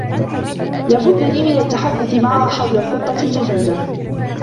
لا بد لي من التحدث معها حول الخطة الجديدة.